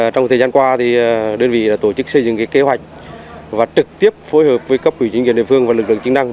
trong thời gian qua đơn vị đã tổ chức xây dựng kế hoạch và trực tiếp phối hợp với cấp quỷ chính quyền địa phương và lực lượng chức năng